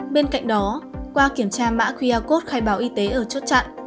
bên cạnh đó qua kiểm tra mã qr code khai báo y tế ở chốt chặn